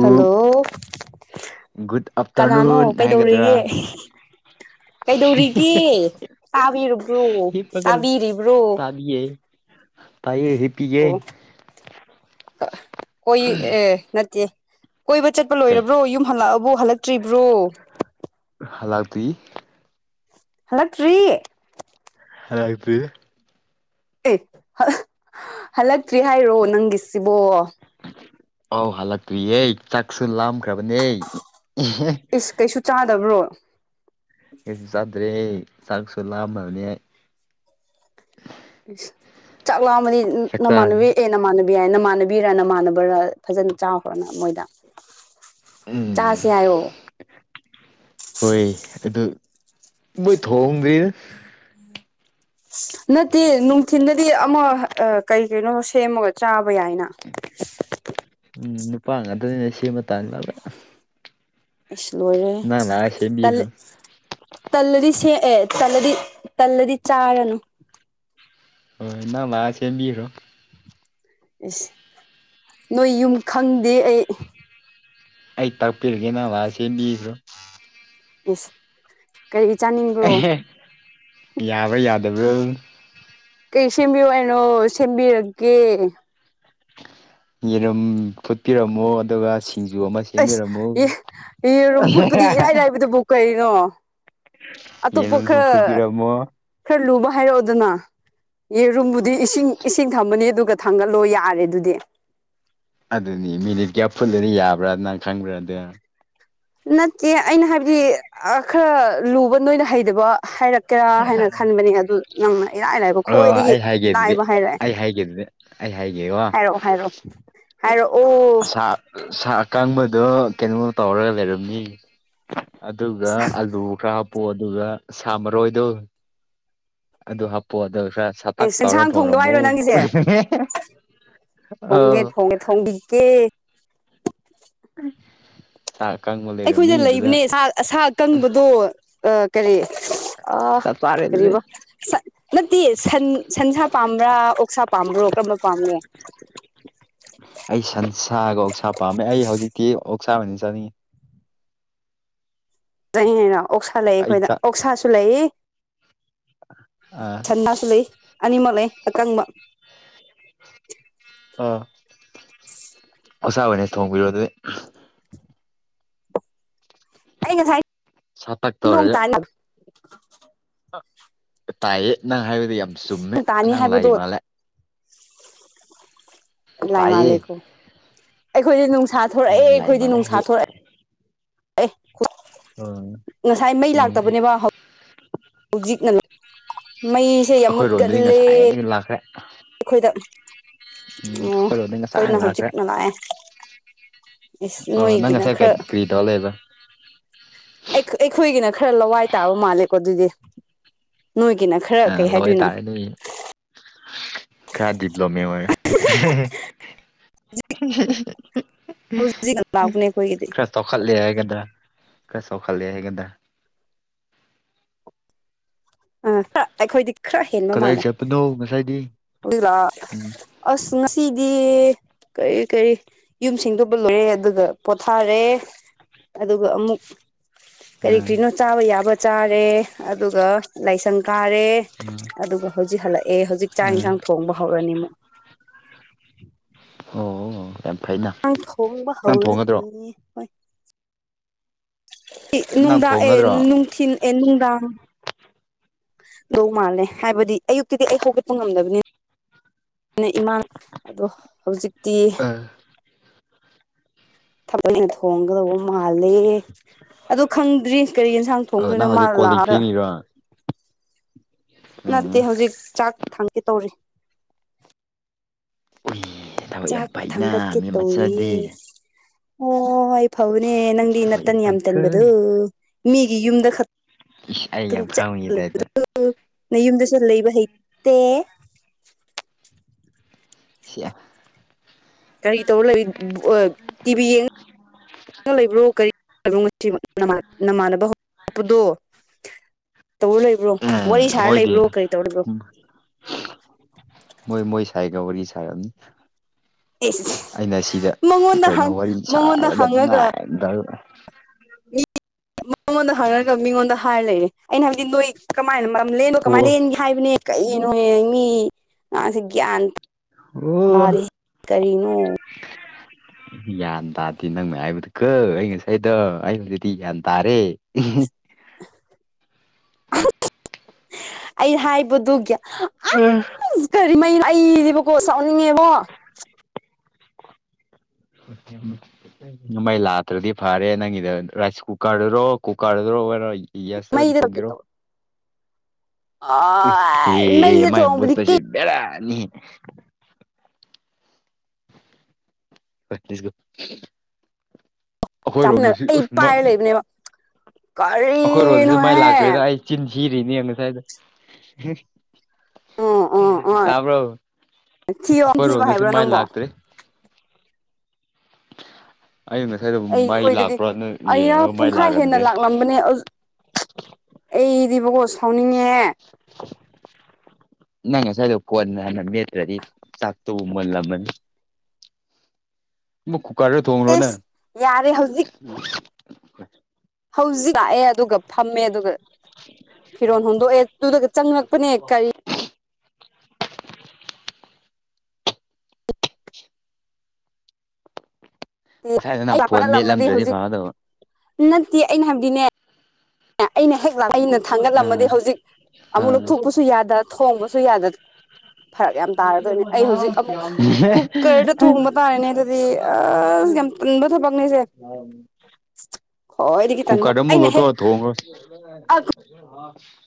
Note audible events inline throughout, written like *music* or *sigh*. hello good ꯀꯅꯥꯅꯣ afternoon ꯀꯩꯗꯧꯔꯤꯒꯦ ꯍꯥꯏꯒꯗ꯭ꯔꯥ ꯀꯩꯗꯧꯔꯤꯒꯦ ꯇꯥꯕꯤ꯭ꯔꯣ ꯍꯤꯞꯄꯒ ꯂꯩ ꯇꯥꯕꯤꯔꯤꯕ꯭ꯔꯣ ꯇꯥꯏꯌꯦ ꯍ ꯑꯣ ꯀꯣꯏ ꯑ ꯅꯠꯇ ꯀꯣꯏꯕ ꯆꯠꯄ ꯀꯩ ꯂꯣꯏꯔꯕ꯭ꯔꯣ ꯌꯨꯝ ꯍꯜꯂꯛꯑꯕꯣ ꯍꯜꯂꯛꯇ꯭ꯔꯤꯕ꯭ꯔꯣ ꯍꯜꯂꯒꯇ ꯍꯜꯂꯣ ꯇ꯭ꯔꯤ ꯍꯥꯛꯗꯤ ꯑꯦ ꯍꯜꯂꯛꯇ꯭ꯔꯤ ꯍꯥꯏꯔꯣ ꯅꯪꯒꯤꯁꯤꯕꯣ ꯑꯧ ꯍꯜꯂꯛꯇ꯭ꯔꯤꯌꯦ ꯆꯥꯛꯁꯨ ꯂꯥꯝꯈ꯭ꯔꯕꯅꯦ ꯏꯁ ꯀꯩꯁꯨ ꯆꯥꯗꯕ꯭ꯔꯣ ꯀꯩꯁꯨ ꯆꯥꯗ꯭ꯔꯦ ꯑꯩ ꯆꯥꯛꯁꯨ ꯂꯥꯛꯑꯝꯕꯅꯤ ꯑꯩ ꯏꯁ ꯆꯥꯛ ꯂꯥꯛꯑꯝꯃꯅꯤ ꯆꯥꯛ ꯆꯥꯔꯅꯤ ꯅꯃꯥꯟꯅꯕꯤ ꯑꯦ ꯅꯃꯥꯟꯅꯨ ꯌꯥ ꯌꯥꯏ ꯅꯃꯥꯟꯅꯕꯤꯔ ꯅꯃꯥꯟꯅꯕꯔꯥ ꯐꯖꯅ ꯆꯥꯎꯈ꯭ꯔꯅ ꯃꯣꯏꯗ ꯎꯝ ꯆꯥꯁꯦ ꯍꯥꯏꯌꯣ ꯍꯣꯏ ꯑꯗꯨ ꯃꯣꯏ ꯊꯣꯡꯣꯡꯗ꯭ꯔꯤ ꯅꯠꯇꯦ ꯅꯨꯡꯊꯤꯤꯟꯗꯗꯤ ꯑꯃ ꯀꯩ ꯀꯩꯅꯣ ꯁꯦꯝꯃꯒ ꯆꯥꯕ ꯌꯥꯏꯅ ꯎꯝ ꯅꯨꯄꯥ ꯉꯥꯛꯇꯅꯤꯅꯦ ꯁꯤꯃ ꯇꯥ ꯂꯕ꯭ꯔ ꯑꯩꯁꯨ ꯂꯣꯏꯔꯦ ꯅꯪ ꯂꯥꯛꯑ ꯁꯦꯝꯕꯤꯈ꯭ꯔꯣ ꯇꯜꯂꯗꯤ ꯁꯦꯛꯑꯦ ꯇꯜꯂꯗꯤ ꯇꯜꯂꯗꯤ ꯆꯥꯔꯅꯨ ꯍꯣꯏ ꯏ ꯅꯪꯃ ꯁꯦꯝꯕꯤꯔꯣ ꯑꯦꯁ ꯅꯣꯏ ꯌꯨꯝ ꯈꯪꯗꯦ ꯑꯩ ꯑꯩ ꯇꯥꯛꯄꯤꯔꯒꯦ ꯅꯚ ꯁꯦꯝꯕꯤꯁꯨ ꯏꯁ ꯀꯔꯤ ꯆꯥꯅꯤꯡꯕ꯭ꯔꯣ ꯌꯥꯕ ꯌꯥꯗꯕ ꯑꯗꯨ ꯀꯩ ꯁꯦꯝꯕꯤꯌꯣ ꯍꯥꯏꯅꯣ ꯁꯦꯝꯕꯤꯔꯒꯦ ꯌꯦꯔꯝ ꯐꯨꯠꯄꯤꯔꯝꯃꯣ ꯑꯗꯨꯒ ꯁꯤꯡꯖꯨ ꯑꯃ ꯑꯁ ꯁꯦꯝꯕꯤꯔꯝꯃꯣ ꯌꯦꯔꯨꯝꯐꯨꯠꯄꯨꯗꯤ ꯏꯔꯥꯏ ꯂꯥꯏꯕꯗꯨꯕꯨ ꯀꯩꯅꯣ ꯑꯇꯣꯞꯄ ꯌꯦꯔꯨꯝꯁꯨ ꯈꯔ ꯐꯨꯠꯄꯤꯔꯝꯃꯣ ꯈꯔ ꯂꯨꯕ ꯍꯥꯏꯔꯛꯑꯣꯗꯅ ꯌꯦꯔꯨꯝꯕꯨꯗꯤ ꯏꯁꯤꯡ ꯏꯁꯤꯡ ꯊꯝꯃꯅꯤ ꯑꯗꯨꯒ ꯊꯪꯒꯠꯂꯣ ꯌꯥꯔꯦ ꯑꯗꯨꯗꯤ ꯑꯗꯨꯅꯤ ꯃꯤꯅꯤꯠ ꯀꯌꯥ ꯐꯨꯜꯂꯅ ꯌꯥꯕ꯭ꯔꯥ ꯅꯪ ꯈꯪꯕ꯭ꯔꯥꯗ ꯅꯠꯇꯦ ꯑꯩꯅ ꯍꯥꯏꯕꯗꯤ ꯈꯔ ꯂꯨꯕ ꯅꯣꯏꯅ ꯍꯩꯗꯕ ꯍꯥꯏꯔꯛ ꯀꯦꯔꯥ ꯍꯥꯏꯅ ꯈꯟꯕꯅꯤ ꯑꯗꯨ ꯅꯪꯅ ꯏꯔꯥꯏ ꯂꯥꯏꯕ ꯑꯣ ꯈꯣꯏꯗꯒꯤ ꯑꯩ ꯍꯥꯏꯒꯦ ꯑꯗꯨꯗꯤ ꯂꯥꯏꯕ ꯍꯥꯏꯔꯛꯑꯦ ꯑꯩ ꯍꯥꯏꯒꯦ ꯑꯗꯨꯗꯤ ꯑꯩ ꯍꯥꯏꯒꯦꯀꯣ ꯍꯥꯏꯔꯛꯑꯣ ꯍꯥꯏꯔꯛꯑꯣ ꯍꯥꯏꯔꯛꯑꯣ ꯑꯣ ꯁꯥ ꯁꯥ ꯑꯀꯥꯡꯕꯗꯣ ꯀꯩꯅꯣ ꯇꯧꯔꯒ ꯂꯩꯔꯝꯃꯤ ꯑꯗꯨꯒ ꯑꯂꯨ ꯈꯔ ꯍꯥꯄꯣ ꯑꯗꯨꯒ ꯁꯥ ꯃꯔꯣꯏꯗꯣ ꯑꯗꯨ ꯍꯥꯄꯣꯗ ꯈꯔ ꯑꯦ ꯁꯛꯇꯥꯛ ꯇꯧꯔ ꯁꯦꯟꯁꯥꯡ ꯊꯣꯡꯗꯣ ꯊꯣꯡꯅꯃꯨ ꯍꯥꯏꯔꯣ ꯅꯪꯒꯤꯁꯦ ꯑ ꯊꯣꯡꯕꯤꯛꯒꯦ ꯑ ꯑꯩꯈꯣꯏꯗ ꯂꯩꯕꯅꯦ ꯑꯁꯥ ꯀꯪꯕꯗꯣ ꯀꯔꯤ ꯑ ꯆꯞ ꯆꯥꯔꯦ ꯑꯗꯨꯗꯤ ꯀꯔꯤꯕ ꯅꯠꯇꯦ ꯁꯟ ꯁꯟꯁꯥ ꯄꯥꯝꯕ꯭ꯔꯥ ꯑꯣꯛꯁꯥ ꯄꯥꯝꯕ꯭ꯔꯣ ꯀꯔꯝꯕ ꯄꯥꯝꯒ ꯑꯩ ꯁꯟꯁꯥꯒ ꯑꯣꯛꯁꯥ ꯄꯥꯝꯃꯦ ꯑꯩ ꯍꯧꯖꯤꯛꯇꯤ ꯑꯣꯛꯁꯥꯕꯅꯤ ꯆꯠꯅꯤꯡꯉꯤ ꯆ ꯍꯥꯏꯅ ꯑꯣꯛꯁꯥ ꯂꯩ ꯑꯩ ꯑꯩꯈꯣꯏꯗ ꯆꯥꯛ ꯑꯣꯛꯁꯥꯁꯨ ꯂꯩ ꯑꯥ ꯁꯅꯥꯁꯨ ꯂꯩ ꯑꯅꯤꯃꯛ ꯂꯩ ꯑꯀꯪꯕ ꯑꯥ ꯑꯁꯥꯕꯅꯦ ꯊꯣꯡꯕꯤꯔꯣ ꯑꯗꯨꯗꯤ ꯑꯩ ꯁꯠꯥꯛ ꯅꯣꯡ ꯇꯧ꯭ꯔꯦꯒ ꯇꯥꯅꯤ ꯇꯥꯏꯌꯦ ꯅꯪ ꯍꯥꯏꯕꯗꯤ ꯌꯥꯝ ꯆꯨꯝꯃꯦ ꯅꯣꯡ ꯇꯥꯅꯤ ꯅꯪ ꯂꯥꯏ ꯍꯥꯏꯕꯗꯣ ꯃꯥꯜꯂꯦ *inaudible* ꯂꯥꯏ ꯇꯥꯏꯌꯦ ꯃꯥꯂꯦꯈꯣ ꯑꯩꯈꯣꯏꯗꯤ ꯅꯨꯡꯁꯥ ꯊꯣꯔꯛꯑꯦ ꯎꯝ ꯂꯥꯏ ꯑꯩꯈꯣꯏꯗꯤ ꯃꯥꯜꯂꯦ ꯅꯨꯡꯁꯥ ꯍꯦ ꯊꯣꯔꯛꯑꯦ ꯑꯦ ꯎꯝ ꯉꯁꯥꯏ ꯃꯩ ꯎꯝ ꯂꯥꯛꯇꯕꯅꯦꯕ ꯍꯧꯖꯤꯛꯅ ꯃꯩꯁꯦ ꯌꯥꯝ ꯑꯩꯈꯣꯏꯔꯣꯝꯗꯗꯤ ꯃꯨꯠꯀꯜꯂꯦ ꯉꯁꯥꯏ *inaudible* ꯑꯩꯈꯣꯏꯗ ꯎꯝ ꯑꯩꯈꯣꯏꯔꯣꯝꯗꯩ ꯉꯁꯥꯏ ꯑꯩꯈꯣꯏꯅ ꯂꯥꯛꯈ꯭ꯔꯦ ꯍꯧꯖꯤꯛꯅ ꯂꯥꯛꯑꯦ ꯏꯁ ꯅꯣꯏꯣꯏꯗꯅ ꯈ ꯇꯂ ꯂꯩꯕ ꯑꯩꯈꯣꯏꯒꯤꯅ ꯈꯔ ꯂꯋꯥꯏ ꯇꯥꯕ ꯃꯥꯜꯂꯦꯀꯣ ꯑꯗꯨꯗꯤ ꯅꯣꯏꯒꯤꯅ ꯈꯔ ꯀꯩ ꯍꯥꯏꯗꯣꯏꯅꯣ ꯈꯌꯥꯗꯕꯂꯣ ꯃ ꯃ ꯎ ꯍꯧꯖꯤꯛ ꯂꯥꯛꯄꯅꯦ ꯑꯩꯈꯣꯏꯒꯤꯗꯤ ꯈ ꯆꯥꯎꯈꯠꯂꯦ ꯍꯥꯏꯒꯗ ꯈꯔ ꯆꯥꯎꯈꯠꯂꯦ ꯍꯥꯏꯒꯗ ꯑ ꯑꯩꯈꯣꯏꯗꯤ ꯈꯔ ꯍꯦꯟꯕ ꯀꯗꯥꯏ ꯃꯥꯜꯂꯦ ꯆꯠꯄꯅꯣ ꯉꯁꯥꯏꯗꯤ ꯑꯗꯨꯒ ꯎꯝ ꯑꯁ ꯉꯁꯤꯗꯤ ꯀꯔꯤ ꯀꯔꯤ ꯌꯨꯝ ꯁꯤꯡꯗꯣꯛꯄ ꯂꯣꯏꯔꯦ ꯑꯗꯨꯒ ꯄꯣꯊꯥꯔꯦ ꯑꯗꯨꯒ ꯑꯃꯨꯛ ꯀꯔꯤ ꯑꯥ ꯀꯔꯤꯅꯣ ꯆꯥꯕ ꯌꯥꯕ ꯆꯥꯔꯦ ꯑꯗꯨꯒ ꯂꯥꯏꯁꯪ ꯀꯥꯔꯦ ꯑꯥ ꯑꯗꯨꯒ ꯍꯧꯖꯤꯛ ꯍꯜꯂꯛꯑꯦ ꯍꯧꯖꯤꯛ ꯆꯥꯛ ꯑꯥ ꯏꯟꯁꯥꯡ ꯊꯣꯡꯕ ꯍꯧꯔꯅꯤ ꯑꯃꯨꯛ ꯑꯣ ꯌꯥꯝ ꯐꯩꯅ ꯊꯣꯡꯕ ꯅꯪ ꯊꯣꯡꯒꯗ꯭ꯔꯣ ꯍꯧꯔꯅꯤꯅꯦ ꯍꯣꯏ ꯅꯪ ꯅꯨꯡꯗꯥꯡ ꯑꯦ ꯊꯣꯡꯒꯗ꯭ꯔꯣ ꯅꯨꯡꯊꯤꯟ ꯑꯦ ꯅꯨꯡꯗꯥꯡ ꯂꯧꯧ ꯃꯥꯜꯂꯦ ꯍꯥꯏꯕꯗꯤ ꯑꯌꯨꯛꯇꯤꯗꯤ ꯑꯩ ꯍꯧꯒꯠꯄ ꯉꯝꯗꯕꯅꯤ ꯑꯩꯅ ꯏꯃꯥꯟ ꯑꯗꯣ ꯍꯧꯖꯤꯛꯇꯤ ꯑꯥ ꯊꯕꯜꯅ ꯊꯣꯡꯒꯗꯧꯕ ꯃꯥꯜꯂꯦ ꯑꯣ ꯈꯪꯗ꯭ꯔꯤ ꯀꯔꯤꯒꯤ ꯏꯟꯁꯥꯡ ꯊꯣꯡꯗꯅ ꯅꯪ ꯍꯧꯖꯤꯛ ꯃꯥꯜ ꯀꯣꯜ ꯂꯤꯛ ꯂꯔ ꯐꯦꯡꯉꯤꯔꯣ ꯅꯠꯇꯦ ꯎꯝ ꯍꯧꯖꯤꯛ ꯆꯥꯛ ꯊꯥꯡꯒꯦ ꯇꯧꯔꯤ ꯎꯏ ꯊꯕꯛ ꯌꯥꯝ ꯆꯥꯛ ꯐꯩꯅ ꯊꯥꯡꯒꯠꯀꯦ ꯃꯤ ꯇꯧꯔꯤꯌꯦ ꯃꯆꯥꯗꯤ ꯍꯣꯏ ꯐꯧꯅꯦ ꯅꯪꯗꯤ ꯊꯕꯛ ꯅꯥꯇꯟ ꯌꯥꯝ ꯇꯟꯕꯗꯨ ꯐꯩꯀꯣ ꯃꯤꯒꯤ ꯌꯨꯝꯗ ꯈꯛ ꯑꯩ ꯌꯥꯝ ꯈꯪꯉꯤ ꯑꯗꯨꯗꯥꯏꯗ ꯅ ꯌꯨꯝꯗꯁꯨ ꯂꯩꯕ ꯍꯩꯇꯦ ꯀꯔꯤ ꯇꯧꯔ ꯂꯩ ꯏꯃ ꯇꯤꯚꯤ ꯌꯦꯡ ꯊ ꯂꯩꯕ꯭ꯔꯣ ꯀꯔꯤꯣꯁꯤ ꯅꯃꯥꯟꯅꯕ ꯍꯧꯔꯄꯗꯣ ꯇꯧꯔ ꯂꯩꯕ꯭ꯔꯣ ꯋꯥꯔꯤ ꯎꯝ ꯁꯥꯔ ꯃꯣꯏꯗꯤ ꯂꯩꯕ꯭ꯔꯣ ꯀꯔꯤ ꯇꯧꯔꯤꯕ꯭ꯔꯣ ꯃꯣꯏ ꯃꯣꯏ ꯁꯥꯏꯒ ꯋꯥꯔꯤ ꯁꯔꯅꯤ ꯑꯦꯁ ꯑꯩꯅ ꯁꯤꯗ ꯃꯉꯣꯟꯗ ꯀꯩꯅꯣ ꯍꯪ ꯋꯥꯔꯤ ꯃꯉꯣꯟꯗ ꯁꯥꯔꯒ ꯍꯪꯉꯒ ꯅꯨꯡꯉꯥꯏꯝꯗ ꯃꯉꯣꯟꯗ ꯍꯥꯏꯪꯅꯔꯒ ꯃꯤꯉꯣꯟꯗ ꯍꯥꯏꯔ ꯂꯩꯔꯦ ꯑꯩꯅ ꯍꯥꯏꯕꯗꯤ ꯅꯣꯏ ꯀꯃꯥꯏꯅ ꯃꯔꯝ ꯂꯦꯟꯕꯣ ꯀꯃꯥꯏꯅ ꯑꯣ ꯂꯦꯟꯒꯦ ꯍꯥꯏꯕꯅꯦ ꯀꯔꯤꯒꯤꯅꯣ ꯌꯦꯡꯉꯁꯤ ꯒ꯭ꯌꯥꯟ ꯇꯥꯗꯦ ꯑꯣ *inaudible* ꯒ꯭ꯌꯥꯟ ꯇꯥꯗꯦ ꯅꯪꯅ ꯍꯥꯏꯕꯗꯨ ꯀꯛ ꯑꯩ ꯉꯁꯥꯏꯗꯣ ꯑꯩꯕꯨꯖꯤꯗꯤ ꯒ꯭ꯌꯥꯟ ꯇꯥꯔꯦ ꯑꯩ ꯍꯥꯏꯕꯗꯨꯒꯤ ꯑ ꯑꯁ ꯀꯔꯤꯃꯣ ꯑꯩꯗꯤꯕꯀꯣ ꯁꯥꯎꯅꯤꯡꯉꯦꯕꯣ ꯃꯦ ꯅꯣꯡꯃꯩ ꯂꯥꯇ꯭ꯔꯗꯤ ꯐꯔꯦ ꯅꯪꯒꯤꯗ ꯔꯥꯏꯁ ꯀꯨꯀꯔꯗꯨꯔꯣ ꯀꯨꯀꯔꯗꯨꯔꯣ ꯑꯣꯏꯔꯣ ꯌꯥꯁꯇꯕꯅ ꯃꯩꯗ ꯊꯣꯡꯒꯦꯔꯣ ꯍꯦ ꯑꯥꯏ ꯃꯩꯗ ꯃꯥꯏ ꯊꯣꯡꯕꯗꯤ ꯃꯨꯠꯄꯁꯤ ꯀꯤ ꯦꯗꯥꯅꯤ ꯑꯩꯈꯣꯏꯔꯣꯝꯗ ꯆꯥꯃꯤꯟꯅ ꯁꯤ ꯑꯩ ꯎꯁꯃꯛ ꯄꯥꯏꯔ ꯂꯩꯕꯅꯦꯕ ꯑꯩꯈꯣꯏꯔꯣꯗꯁꯨ ꯃꯥꯏ ꯀꯔꯤꯅꯣꯍꯦ ꯂꯥꯛꯇ꯭ꯔꯦꯗ ꯑꯩ ꯆꯤꯟ ꯁꯤꯔꯤꯅꯦ ꯉꯁꯥꯏꯗ ꯑꯣ ꯑꯣ ꯑꯣ ꯇꯥꯕ꯭ꯔꯣ ꯊꯤꯌꯣ ꯊꯤꯕ ꯑꯩꯈꯣꯏꯔꯣꯝꯗꯁꯨ ꯍꯥꯏꯕ꯭ꯔꯣ ꯃꯥꯏ ꯅꯪꯕꯣ ꯂꯥꯛꯇ꯭ꯔꯦ ꯑꯩ ꯁ ꯑꯩꯈꯣꯏꯗꯗꯤ ꯑꯩꯅ ꯄꯨꯡꯈꯥꯏ ꯍꯦꯟꯅ ꯂꯥꯛꯔꯝꯗ꯭ꯔꯦ ꯂꯥꯛꯂꯝ ꯅꯦ ꯑꯩꯗꯤꯕꯀꯣ ꯁꯥꯎꯅꯤꯡꯉꯦ ꯅꯪ ꯉꯁꯥꯏꯗꯣ ꯀꯣꯟꯅ ꯍꯟꯅ ꯃꯦꯠꯇ꯭ꯔꯗꯤ ꯆꯥꯛꯇꯨꯕꯨ ꯃꯨꯜꯂꯝꯃꯅꯤ ꯃꯛ ꯀꯨꯀꯥꯔꯗ ꯊꯣꯡ꯭ꯔꯣꯅꯦ ꯑꯦꯁ ꯌꯥꯔꯦ ꯍꯧꯖꯤꯛ ꯍꯧꯖꯤꯛ ꯂꯥꯛꯑꯦ ꯑꯗꯨꯒ ꯐꯝꯃꯦ ꯑꯗꯨꯒ ꯐꯤꯔꯣ ꯍꯨꯗꯣꯛꯑꯦ ꯑꯗꯨꯗꯒ ꯆꯪꯉꯛꯄꯅꯦ ꯀꯔꯤ ꯉꯁꯥꯏꯗ ꯅꯪ ꯐꯣꯟ ꯑꯩꯐꯠꯍꯜꯂꯝꯃꯗꯤ ꯃꯦꯠꯂꯝꯗ꯭ꯔꯗꯤ ꯍꯧꯖꯤꯛ ꯐꯒꯗꯕ ꯅꯠꯇꯦ ꯑꯩꯅ ꯍꯥꯏꯕꯗꯤꯅꯦ ꯑꯩꯅ ꯍꯦꯛ ꯑꯩꯅ ꯑꯥ ꯊꯥꯡꯒꯠꯂꯝꯃꯗꯤ ꯍꯧꯖꯤꯛ ꯑꯃꯨꯛ ꯂꯧꯊꯣꯛꯄꯁꯨ ꯌꯥꯗ ꯊꯣꯡꯕꯁꯨ ꯌꯥꯗ ꯐꯔꯛ ꯌꯥꯝ ꯇꯥꯔꯗꯣꯏꯅꯦ ꯑꯩ ꯍꯧꯖꯤꯛ ꯑꯃꯨꯛ ꯑꯥ ꯀꯨꯀꯔꯗ ꯊꯣꯡꯕ ꯇꯥꯔꯦꯅꯦ ꯑꯗꯨꯗꯤ ꯑꯁ ꯌꯥꯝ ꯇꯟꯕ ꯊꯕꯛꯅꯦꯁꯦ ꯈꯣꯏꯗꯒꯤ ꯇꯟꯕ ꯀꯨꯀꯔꯗ ꯑꯩꯅ ꯃꯨꯜꯂꯣ ꯍꯦꯛ *inaudible*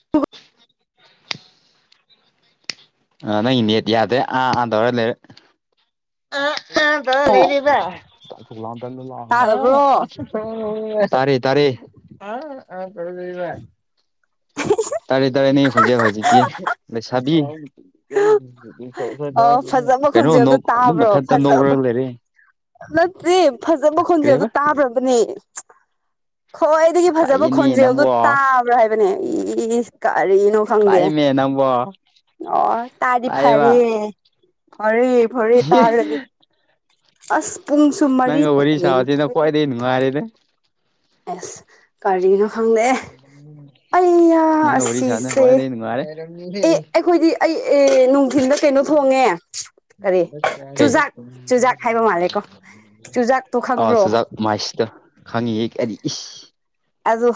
ꯑ ꯅꯪ ꯅꯦꯠ ꯌꯥꯗꯦ ꯑꯥ ꯑꯥ ꯇꯧꯔ ꯂꯩꯔꯦ ꯑꯣ ꯂꯩꯕ ꯂ ꯇ ꯇꯥꯔꯕ꯭ꯔꯣ ꯂ ꯇꯔꯦ ꯇꯔ ꯆ *unintelligible* ꯇꯥꯔꯦ ꯇꯥꯔꯦꯅꯦ ꯈꯣꯖꯤꯦ ꯍꯧꯖꯤꯗꯦ ꯆꯕꯤ ꯀ ꯑꯣ ꯐꯖꯕ ꯀꯩꯅꯣ ꯈꯣꯟꯖꯦꯜꯗꯣ ꯑꯗꯨꯝ ꯇꯥꯕ꯭ꯔꯣ ꯃꯊꯛꯇ ꯐꯖꯕ ꯅꯣꯛꯔꯒ ꯂꯩꯔꯦ ꯅꯠꯇꯦ ꯐꯖꯕ ꯈꯣꯟꯁꯦ ꯑꯗꯨ ꯀꯔꯤꯕ ꯇꯥꯕ꯭ꯔꯕꯅꯦ ꯈ꯭ꯋꯥꯏꯗꯒꯤ ꯐꯖꯕ ꯇꯥꯛꯏꯅꯦ ꯈꯣꯟꯖꯦꯜꯗꯨꯣ ꯅꯪꯕꯣ ꯇꯥꯕ꯭ꯔꯥ ꯍꯥꯏꯕꯅꯦ ꯏꯁ ꯀꯔꯤꯅꯣ ꯣ ꯈꯪꯗꯦ ꯇꯥꯛꯏꯃꯦ ꯅꯪꯕꯣ ꯑꯣ ꯇꯥꯗꯤ ꯇꯥꯛꯑꯦꯕ ꯐꯔꯦ ꯐꯔꯦ ꯐꯔꯦ ꯇꯥꯔꯗꯤ ꯑꯁ ꯄꯨꯡꯨꯡꯁꯨ ꯅꯪ ꯋꯥꯔꯤꯔꯤ ꯁꯥꯎꯗꯅ ꯀꯣꯏꯗꯦ ꯅꯨꯅꯨꯡꯉꯔꯦꯗ ꯑꯦꯁ ꯀꯔꯤꯅꯣ ꯈꯪꯗꯦ ꯑꯩꯅ ꯑꯁꯤꯁꯦ ꯃꯥꯦ ꯑꯦ ꯑꯩꯈꯣꯏꯗꯤ ꯑꯩ ꯑꯦ ꯅꯨꯡꯊꯤꯤꯟꯗ ꯀꯩꯅꯣ ꯊꯣꯡꯉꯦ ꯀꯔꯤ ꯀꯩ ꯆꯨꯖꯥꯛ ꯆꯨꯖꯥꯛ ꯍꯥꯏꯕ ꯃꯥꯜꯂꯦꯀꯣ ꯆꯨꯖꯥꯛꯇꯣ ꯈꯪꯕ꯭ꯔꯣ ꯑꯖ ꯃꯥꯁꯤꯇ ꯈꯪꯉꯤꯍꯦ ꯍꯥꯏꯗꯤ ꯏꯁ ꯑꯗ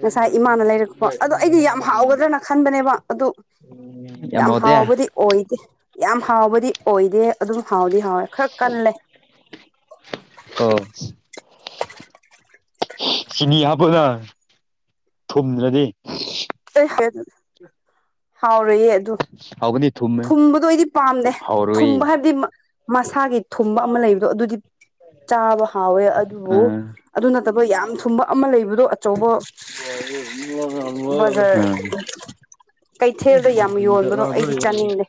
ꯉꯁꯥꯏ ꯏꯃꯥꯅ ꯂꯩꯔꯛꯄꯣ ꯑꯗꯣ ꯑꯩꯗꯤ ꯌꯥꯝ ꯍꯥꯎꯒꯗ꯭ꯔꯅ ꯈꯟꯕꯅꯦꯕ ꯑꯗꯨ ꯌꯥꯝ ꯌꯥꯝꯃꯗꯌꯥ ꯍꯥꯎꯕꯗꯤ ꯑꯣꯏꯗꯦ ꯌꯥꯝ ꯍꯥꯎꯕꯗꯤ ꯑꯣꯏꯗꯦ ꯑꯗꯨꯝ ꯍꯥꯎꯗꯤ ꯍꯥꯎꯋꯦ ꯈꯔ ꯀꯜꯂꯦ ꯑꯣ ꯆꯤꯅꯤ ꯍꯥꯞꯄꯅ ꯊꯨꯝꯗ꯭ꯔꯗꯤ ꯑꯩ ꯍꯥꯎꯔꯌꯦ ꯑꯗꯨ ꯍꯥꯎꯅꯤ ꯊꯨꯝꯕꯗꯣ ꯑꯩꯗꯤ ꯄꯥꯝꯗꯦ ꯊꯨꯝꯕ ꯍꯥꯏꯕꯗꯤ ꯃꯁꯥꯒꯤ ꯊꯨꯝꯕ ꯑꯃ ꯂꯩꯕꯗꯣ ꯑꯗꯨꯗꯤ ꯆꯥꯕ ꯍꯥꯎꯋꯦ ꯑ ꯑꯗꯨꯕꯨ ꯑꯗꯨ ꯅꯠꯇꯕ ꯌꯥꯝ ꯊꯨꯝꯕ ꯑꯃ ꯂꯩꯕꯗꯣ ꯑꯆꯧꯕ ꯕꯖꯥꯔ ꯑ ꯀꯩꯊꯦꯜꯗ ꯌꯥꯝ ꯌꯣꯟꯕꯅꯣ ꯑꯩꯗꯤ ꯆꯥꯅꯤꯡꯗꯦ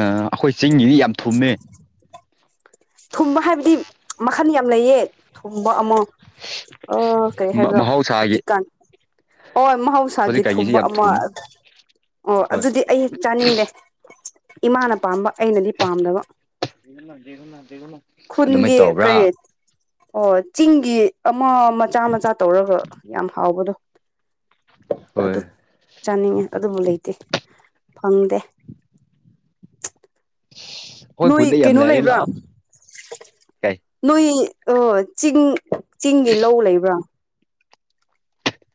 ꯑꯩꯈꯣꯏ ꯆꯤꯡꯒꯤꯗꯤ ꯌꯥꯝ ꯊꯨꯝꯃꯦ ꯊꯨꯝꯕ ꯍꯥꯏꯕꯗꯤ ꯃꯈꯟ ꯌꯥꯝ ꯂꯩꯌꯦ ꯊꯨꯝꯕ ꯑꯃ ꯀꯩ ꯍꯥꯏꯕ꯭ꯔꯣ ꯃꯍꯧꯁꯥꯒꯤ ꯍꯧꯖꯤꯛꯀꯥꯟ ꯍ ꯃꯍꯧꯁꯥꯒꯤ ꯍꯧꯖꯤꯛꯀꯥꯟꯒꯤꯁꯤ ꯊꯨꯝꯕ ꯌꯥꯝ ꯑꯃ ꯊꯨꯝꯃꯦ ꯑꯣ ꯍꯣꯏ ꯑꯗꯨꯗꯤ ꯑꯩ ꯆꯥꯅꯤꯡꯗꯦ ꯏꯃꯥꯅ ꯄꯥꯝꯕ ꯑꯩꯅꯗꯤ ꯄꯥꯝꯗꯕ ꯅꯒꯣꯟꯅꯦꯘꯨꯅ ꯈꯨꯨꯟꯒ ꯀꯩ ꯑꯣ ꯆꯤꯡꯒꯤ ꯑꯃ ꯃꯆꯥ ꯃꯆꯥ ꯇꯧꯔꯕ꯭ꯔ ꯌꯥꯝ ꯍꯥꯎꯕꯗꯣ ꯍꯣꯏ ꯑꯗꯨ ꯆꯥꯅꯤꯡꯉꯦ ꯑꯗꯨꯕꯨ ꯂꯩꯇꯦ ꯐꯪꯗꯦ ꯑꯩꯈꯣꯏ ꯅꯣꯏ ꯈꯨꯟꯗ ꯌꯥꯝ ꯀꯩꯅꯣ ꯂꯩꯔꯦ ꯂꯩꯕ꯭ꯔꯥ ꯂꯥꯛꯑꯣ ꯀꯩ ꯅꯣꯏ ꯆꯤꯡ ꯆꯤꯡꯒꯤ ꯂꯧ ꯂꯩꯕ꯭ꯔꯥ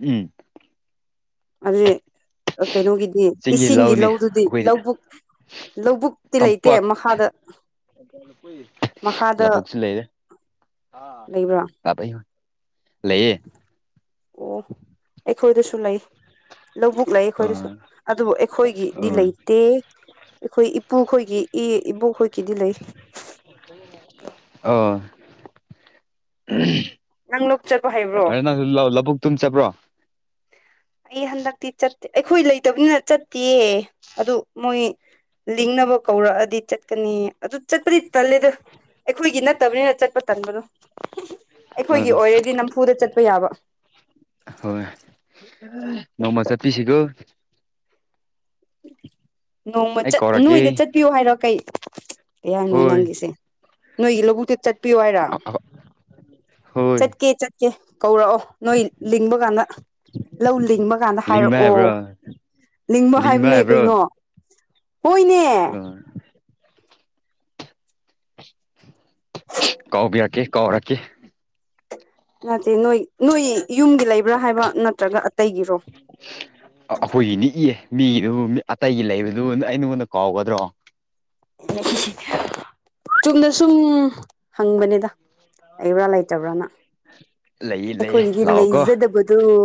ꯎꯝ ꯑꯗꯨ ꯀꯩꯅꯣꯒꯤꯗꯤ ꯆꯤꯡꯒꯤ ꯏꯁꯤꯡꯒꯤ ꯂꯧꯅꯤ ꯂꯧꯗꯨꯗꯤ ꯑꯩꯈꯣꯏꯗꯤ ꯂꯧꯕꯨꯛ ꯂꯧꯕꯨꯛꯇꯤ ꯂꯩꯇꯦ ꯃꯈꯥꯗ ꯃꯈꯥꯗ ꯄꯨꯒꯁꯤꯂꯗ ꯂꯩꯕ꯭ꯔꯥ ꯑꯕ ꯂꯩꯌꯦ ꯑꯣ ꯑꯩꯈꯣꯏꯗꯁꯨ ꯂꯩ ꯂꯧꯕꯨꯛ ꯂꯩ ꯑ ꯑꯩꯈꯣꯏꯗꯁꯨ ꯑꯗꯨꯕꯨ ꯑ ꯑꯩꯈꯣꯏꯒꯤꯗꯤ ꯂꯩꯇꯦ ꯗꯦ ꯑꯩꯈꯣꯏ ꯏꯄꯨꯈꯣꯏꯒꯤ ꯏ ꯏꯕꯣꯛꯈꯣꯏꯒꯤꯗꯤ ꯂꯩ ꯑꯣ ꯅꯪ ꯂꯣꯛ ꯆꯠꯄꯣ ꯍꯥꯏꯕ꯭ꯔꯣ ꯂꯑꯣ ꯂꯧꯕꯕꯨꯛꯛꯇꯨꯝ ꯆꯠꯕ꯭ꯔꯣ ꯑꯩ ꯍꯟꯗꯛꯇꯤ ꯆꯠꯇꯦ ꯑꯩꯈꯣꯏ ꯂꯩꯇꯕꯅꯤꯅ ꯆꯠꯇꯦ ꯑꯗꯨ ꯃꯣꯏ ꯂꯤꯡꯅꯕ ꯀꯧꯔꯛꯑꯗꯤ ꯆꯠꯀꯅꯤ ꯑꯗꯨ ꯆꯠꯄꯗꯤ ꯇꯜꯂꯦꯗ ꯑꯩꯈꯣꯏꯒꯤ ꯅꯠꯇꯕꯅꯤꯅ ꯆꯠꯄ ꯇꯟꯕꯗꯣ ꯑ ꯑꯩꯈꯣꯏꯒꯤ ꯑꯣꯏꯔꯗꯤ ꯅꯝꯐꯨꯗ ꯆꯠꯄ ꯌꯥꯕ ꯍꯣꯏ ꯅꯣꯡꯃ ꯆꯠꯄꯤꯁꯤꯒꯣ ꯎ ꯅꯣꯡꯃ ꯑꯩ ꯀꯧꯔꯛꯀꯦ ꯅꯣꯏꯗ ꯆꯠꯄꯤꯌꯣ ꯍꯥꯏꯔꯣ ꯀꯩ ꯀꯩ ꯍꯥꯏꯅꯣ ꯍꯣꯏ ꯅꯪꯒꯤꯁꯦ ꯅꯣꯏꯒꯤ ꯂꯧꯕꯨꯛꯇꯤ ꯆꯠꯄꯤꯌꯨ ꯍꯥꯏꯔ ꯍꯣꯏ ꯆꯠꯀꯦ ꯆꯠꯀꯦ ꯀꯧꯔꯛꯑꯣ ꯅꯣꯏ ꯂꯤꯡꯕ ꯀꯥꯟꯗ ꯂꯧ ꯂꯤꯡꯕ ꯀꯥꯟꯗ ꯂꯤꯡꯕ ꯍꯥꯏꯔꯛꯑꯣ ꯍꯥꯏꯕ꯭ꯔꯣ ꯅꯤꯡꯕ ꯂꯤꯡꯕ ꯍꯥꯏꯕꯅꯦ ꯍꯥꯏꯕ꯭ꯔꯣ ꯀꯩꯅꯣ ꯍꯣꯏꯅꯦ ꯍꯣꯏ ꯀꯥꯎꯕꯤꯔꯛꯀꯦ ꯀꯥꯎꯔꯛꯈꯤ ꯅꯠꯇꯦ ꯅꯣꯏ ꯅꯣꯏ ꯌꯨꯝꯒꯤ ꯂꯩꯕ꯭ꯔꯥ ꯍꯥꯏꯕ ꯅꯠꯇ꯭ꯔꯒ ꯑꯇꯩꯒꯤꯔꯣ ꯑꯩꯈꯣꯏꯒꯤꯅꯤ ꯏꯌꯦ ꯃꯤꯒꯤꯗꯨ ꯑꯇꯩꯒꯤ ꯂꯩꯕꯗꯨ ꯑꯩ ꯅꯉꯣꯟꯗ ꯀꯥꯎꯒꯗ꯭ꯔꯣ *unintelligible* ꯆꯨꯝꯅ ꯁꯨꯝ ꯍꯪꯕꯅꯤꯗ ꯑꯩꯕ꯭ꯔꯥ ꯂꯩꯇꯕ꯭ꯔꯥꯅ ꯍꯥꯏ ꯑꯩꯈꯣꯏꯒꯤ ꯂꯩꯖꯗꯕꯗꯨꯣ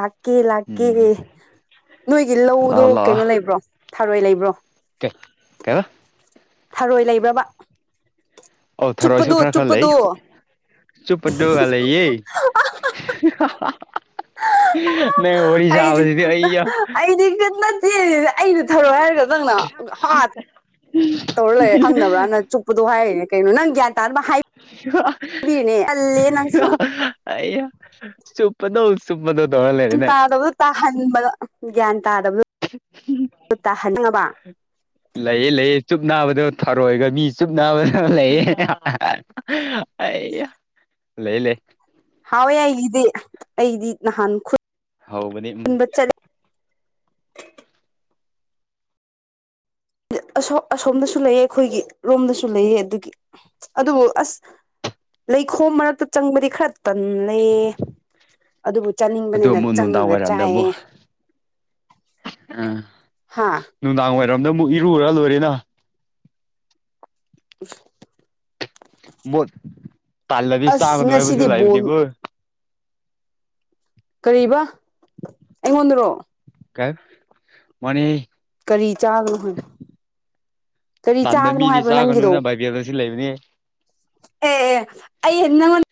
ꯂꯥꯛꯀꯦ ꯂꯥꯛꯀꯦ ꯎꯝ ꯅꯣꯏꯒꯤ ꯂꯧꯗꯣ ꯂꯥꯛꯑꯣ ꯀꯩꯅꯣ ꯂꯩꯕ꯭ꯔꯣ ꯊꯥꯔꯣꯏ ꯂꯩꯕ꯭ꯔꯣ ꯑꯣꯦ ꯀꯗ ꯊꯔꯣꯏ ꯂꯩꯕ꯭ꯔꯕ ꯑꯧ ꯆꯨꯞꯄꯗꯨ ꯆꯨꯞꯄꯗꯨ ꯆꯨꯄꯗꯨꯒꯂꯌꯦ ꯅ ꯑꯣꯏꯔꯤ ꯁꯥꯥꯕꯁꯤꯗꯤ ꯑꯏ ꯁꯤꯦ ꯑꯩꯗ ꯊꯔꯣ ꯍꯥꯏꯔ ꯈꯗꯪꯅ ꯍꯥ ꯇꯧꯔ ꯂꯩꯔꯦ ꯈꯪꯗꯕ꯭ꯔꯥꯅ ꯆꯨꯞꯄꯗꯣ ꯍꯥꯏꯌꯦꯅꯦ ꯀꯩꯅꯣ ꯅꯪ ꯒ꯭ꯌꯥꯟ ꯇꯥ ꯍꯥꯏ ꯅꯪꯁꯨ ꯑ ꯁ ꯄꯗꯧ ꯆꯨꯞꯄꯗꯧ ꯇꯧꯔꯒ ꯂꯩꯔꯦꯅꯦ ꯇꯥꯍꯟꯕꯗꯣ ꯒ꯭ꯌꯥꯟ ꯇꯥꯗꯕꯗꯣ ꯇꯥꯍꯟꯕ ꯂꯩꯑ ꯂꯩꯌꯦ ꯆꯨꯞ ꯅꯥꯕꯗ ꯊꯔꯣꯏꯒ ꯃꯤ ꯆꯨꯞ ꯅꯥꯕꯗ ꯂꯩꯌꯦ ꯑ ꯂꯩ ꯂꯩ ꯍꯥꯎꯋꯦ ꯑꯩꯒꯤꯗꯤ ꯑꯩꯗꯤ ꯅꯍꯥꯟ ꯈꯨ ꯍꯕꯅꯤ ꯑꯁꯣꯝꯗꯁꯨ ꯂꯩꯑ ꯑꯩꯈꯣꯏꯒꯤ ꯔꯣꯝꯗꯁꯨ ꯂꯩꯑ ꯑꯗꯨꯒꯤ ꯑꯗꯨꯕꯨ ꯑꯁ ꯂꯩꯈꯣꯝ ꯃꯔꯛꯇ ꯆꯪꯕꯗꯤ ꯈꯔ ꯇꯜꯂꯦ ꯑꯗꯨꯕꯨ ꯑꯗꯨ ꯆꯥꯅꯤꯡꯕꯅꯤꯅ ꯑꯃꯨꯛ ꯅꯨꯡꯗꯥꯡ ꯆꯪꯉꯒ ꯋꯥꯏꯔꯝꯗ ꯆꯥꯏꯌꯦ ꯑꯃꯨꯛ ꯎꯝ ꯍꯥ ꯅꯨꯡꯗꯥꯡ ꯋꯥꯏꯔꯝꯗ ꯑꯃꯨꯛ ꯏꯔꯨꯔ ꯂꯣꯏꯔꯦꯅ ꯎ ꯃ ꯊꯜꯂꯗꯤ ꯑꯁ ꯆꯥꯒꯗꯅꯨꯡꯉꯥꯏꯕꯨꯁꯨ ꯉꯁꯤꯗꯤ ꯂꯥꯏꯕꯅꯤ ꯕꯣꯜ ꯀꯣ ꯀꯔꯤꯕ ꯑꯩꯉꯣꯟꯗꯔꯣ ꯀꯥꯏ ꯃꯅꯤ ꯀꯔꯤ ꯆꯥꯒꯅꯣ ꯍꯥꯏꯕ ꯀꯔꯤ ꯇꯥꯟꯗ ꯆꯥꯒꯅꯣ ꯃꯤꯗꯤ ꯍꯥꯏꯕ꯭ꯔꯣ ꯅꯪꯒꯤꯗꯣ ꯆꯥꯒꯅꯨꯅ ꯚꯏꯕꯤꯦꯜꯗ ꯁꯤ ꯂꯩꯕꯅꯦ ꯑꯦ ꯑꯩꯉꯣꯟ